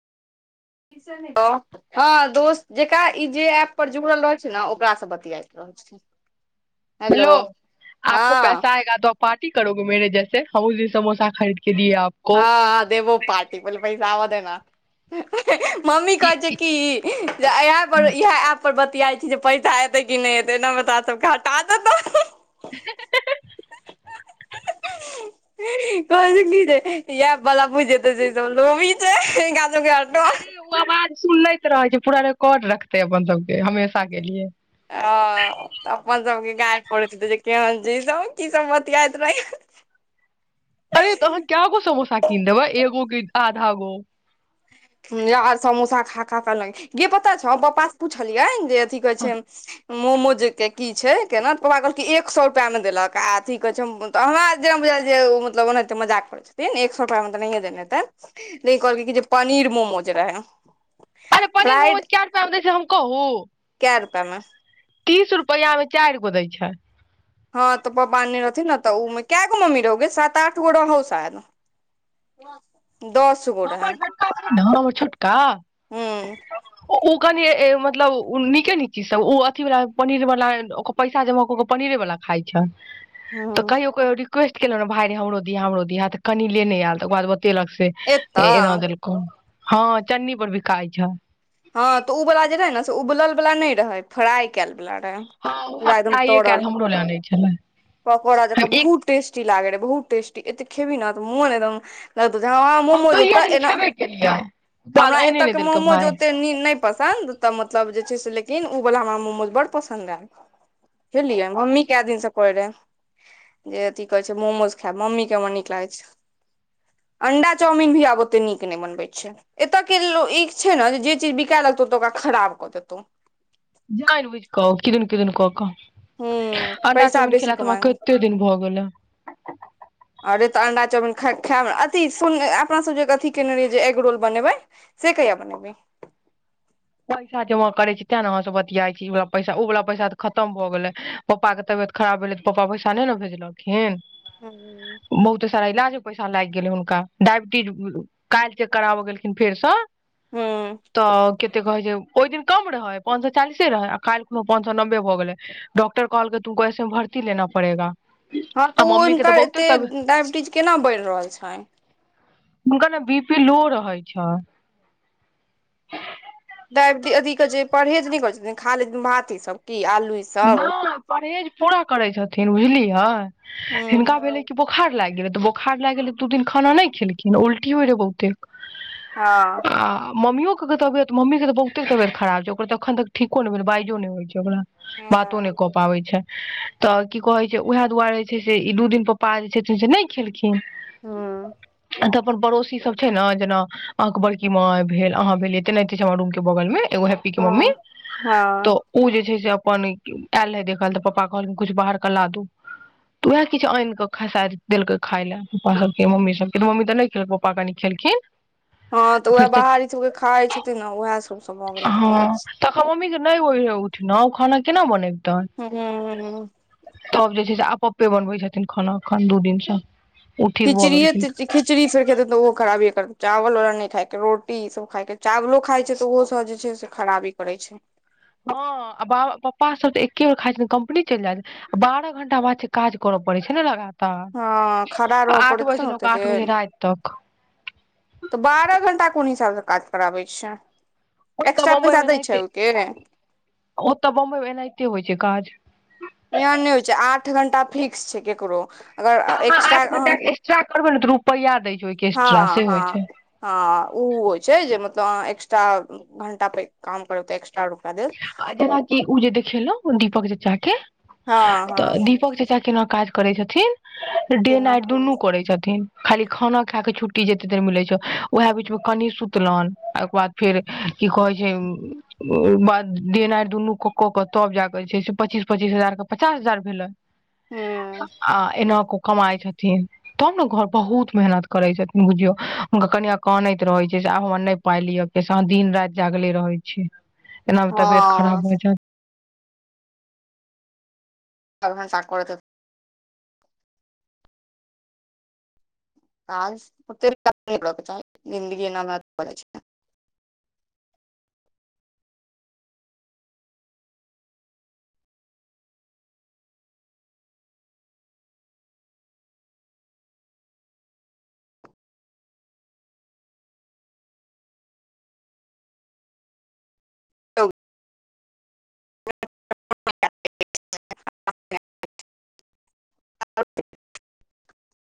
Hello हँ दोस्त जेकरा ई जे ऐप पर जुड़ल रह छैय ने ओकरासँ बतियाइत रहल छैय। हेलो आपको पैसा आएगा तो पार्टी करोगे मेरेजैसे हसी समोसा खरीद के दिए आपको हँ देबो पार्टी पहले पैसा आबऽ देना। [unintelligible] मम्मी ई- कहै छैय कि इ इएह एप पर बतियाई छी जे पैसा एतै कि नहि एतै एनामे ते तोरा सबके हटा देतो। [unintelligible] कह कि इ बला पूज तऽ जे तोड़ा त अरे ओ आवाज सुनैत रहै छैय पूरा रिकॉर्ड रखते अपन सबके हमेशा के लिए ह त अपन सबके गार पढ़ै हेते जे केन छैय इ सभ कि सभ बतियात रहे। अरे तऽ अहाँ केगो समोसा कीन देबै एगो के आधा गो। यहांके समोसा खा खा कहल गे पता छौ पपा से पूछलियै जे थीके छैय। मोमोज के की छै केना त पापा कहलक एक सए रुपा मे देलक आ अथी कहै छैय अहाँ जेहन बुझाय जे उ मतलब ओनाते मजाक करे छथिन एक सए रूपा मे त नहिय देनेे हेते लेकिन कहलके जे पनीर मोमोज रहे। अरे पनीर मोमोज कैरुपआ मे दै छैय हम कहू। कैय रुपया में। तीस रुपैआमे चाइर गो दै छैय। हँ तऽ पप्पा नै रहथिन ने तऽ ओए में क्या गो मम्मी रहोगे सात आठ गो रहो शायद। दस गो रहै ने हमर छोटका हूँ। ओ कनि मतलब नीके नीक चीज सब ओ अथीवाला पनीर वाला ओ पैसा जमा कऽ पनीरे वाला खाइ छैय। तऽ हँ कहिओ कहिओ रि रिक्वेस्टेलहुँ ने भइ हमरो दिया हमो दिया त कनी लेने आयल तकर बाद केलक से हे एतऽ एना देलको। हँ चन्नी पर भी खाइ छ हँ तऽ ओ वला जे रहे ने से उबलल वला नहि रहे फ्राई कयल रहे हँ उएह पूरा एकदम फ्राइए कयल तरल हमरो लए आनै छलै पकोड़ा जक हम एक बहुत टेस्टी लागे रहे बहुत टेस्टी त एते खेभी न मोन एकदम लग हम त दूइये दिन खेबे केलिय है तकर बाद हमरा एने एतय ने के देलकै मोमोज भाय। ओते नहि पसन्द त मतलब जे छै से लेकिन ओ बला मोमोस बड़ पसन्द आयल रहे। बुझलिये मम्मी केएदिन स कहै रहे जे की कहै छै मोमोस खायब मम्मी के हमर निक लागै छै। अंडा चाउमिन भी आब ओते निक नहि बनबै छै। एत के लोक इ छै ने जे चीज बिका लगतौ तो ओकरा खराब कऽ देतौ। जाइ भुझि क किदन किदन क क। ह पैसा बेसी कमाय ह कते दिन भऽ गेलै अरे तऽ अंडा चाउमीन खाय खायब न। अथी सुन अपना सब जे अथी केने रहियै जे एग रोल बनेबै से कहिया बनेभी? पैसा जमा करै छै तें ने अहाँ सब बतियाइ छी इ बला पैसा ओ वला पैसा तऽ खतम भऽ गेलै पप्पा के तबियत खराब भेलै तऽ पप्पा पैसा नहि ने भेजलखिन। हूँ बहुते सारा इलाज में पैसा लागि गेलै हुनका डायबिटीज काल्हि चेक कराब गेलखिन फेरसँ हूँ तऽ कहे छै ओहि दिन कम रहे पांच सए चालीसे रहे आ काल्हि कोनो पांच सए नबे भ गेले डक्टर कहलकै तुमको ऐसे मे भर्ती लेना पड़ेगा। हँ तऽ आ ओ मम्मी के हुनकर बहुते एतेक तब डाायबिटीज केना बढ़ि रहल छन्हि? हुनका ने बी पी लो रहै छै। डायबटी अथिके जे परहेज नहि करैत छथिन खा ले छथिन भात ईसभ। नहि परहेज पूरा करै छथिन बुझलियै। हँ हँ हिनका भेलै कि बहुत बोखार लाग गेलै तऽ बोखार लाग गेलै एक दू दिन खाना नहि खेलखिन उल्टी होइ रहै बहुतेक। हँ मम्मीयो के तबियत मम्मी के त बहुते तबियत खराब छै ओकर तऽ अखन तक ठीको नहि भेलै बाइजो नहि होइ छै ओकरा। बात नहि क पाबै छै। तऽ की कहै छै उएह दुआरे जे छै से ई दू दिन पप्पा जे छथिन से नहि खेल खिन। हूँ आ त अपन पड़ोसी सब छै ने जेना अहाँ के बड़की माय भेल अहाँ भेलियै तेनाहयते छै हमरा रूम के बगल मे। त ओ हैप्पी के मम्मी हँ हँ तऽ ओ जे छै से अपन आयल रहे देखल तऽ पप्पा कहलखिन किछु बाहरके ला दू तऽ उएह किछु आनि कऽ ख शायद देलकै खाय लए पप्पा सबके मम्मी सबके तऽ मम्मी तऽ नहि खेलको पप्पा कनि खेलखिन। हँ तऽ उएह फेर बाहर ई सभके खाइ छथिन ने उएह सभसँ भऽ गेलै हेते। नई होइ है उठनाई। [unintelligible] खाना केना बनेब। हँ। [unintelligible] तब जे छै से आब पप्पे बनबै छथिन खाना अखन दू दिनसँ। खिचड़ए -खिचड़ी फेर क द त ओहो खराबी कर। चावल उल नहि खायके रोटी ई सब खायके चावलो खााय छै तऽ ओहो सब जे छै से खराबी करै छै। [unintelligible] हँ बा -पप्पा सब तऽ एके बेर खाइ छै कम्पनी चलि जायत बारह घंटा बाद छै काज करय पड़े छै ने लगातार। हँ खड़ा रहयऽ आठ पड़ैत बजे त से ने लऽ कऽ ओतेक आठ बजे देर। [unintelligible] राति तक तऽ बारह घंटा कोन हिसाब से काज कराबै छै। [unintelligible] ओतऽ एक्स्ट्रा बम्बई पैसा मे दै छै एनाहिते ओहिके [unintelligible] ओतऽ बम्बई मे एनाहिते होइ छै काज। यहाँ नहि होइ छै आठ घं्टा फिक्स छै ककरो। [unintelligible] तऽ अगर अहाँ एक््रा आठ [unintelligible] घंटा के एक्स्ट्रा करबै ने तऽ रुपैआ दै छै ओहिके एक्स्ट्रा हँ- से होइ ह- छै ह- ओ होइ छै जे। त एक्स्ट्रा -घंटा प काम करत एकस्ट्र। जेनाकी ओ जे देखेलो। दीपक जे चके। हँ [unintelligible] हँ तऽ दीपक जे च क ने काज। करै छथिन। [unintelligible] े केना नाट दुनू कर छथि। [unintelligible] खाली खाना खाय के छुट्टी मिल छै उएह बीच मे कनि सुतलनि ओ बाद फेर की कहे छै। [unintelligible] देनाइ दुनू क क के तब जाके जे छै से पच्चीस- पच्चीस हजार के पचास हजार भेले। हूँ आ एना क। [unintelligible] कमाइ छथिन तब ने घर बहुत मेहनत करै छथिन बुझियौ हुनका कनिआ कहानैत रहैत छियै से आब हमरा नहि पाइ लिअ क से अहाँ दिन राति जागले रहैत छियै। [unintelligible] एनाी तबियत हँ खराब होइ छ। [unintelligible] तन चाक करत। [unintelligible] काज ओ जिन्दगीना बात पै छै। [unintelligible] आ। [unintelligible]